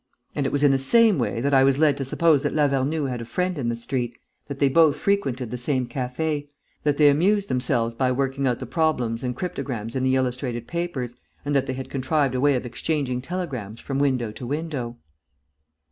And it was in the same way that I was led to suppose that Lavernoux had a friend in the street, that they both frequented the same café, that they amused themselves by working out the problems and cryptograms in the illustrated papers and that they had contrived a way of exchanging telegrams from window to window."